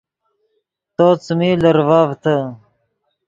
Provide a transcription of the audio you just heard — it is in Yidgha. تو څیمی لرڤڤتے